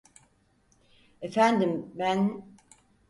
Efendim, ben…